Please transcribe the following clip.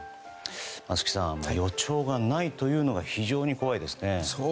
松木さん予兆がないというのが非常に怖いですね。